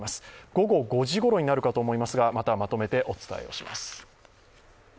午後５時ごろになるかと思いますがまたまとめてお伝えします。